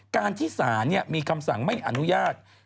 การที่ศาลมีคำสั่งไม่อนุญาต